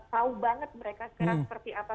tahu banget mereka sekarang seperti apa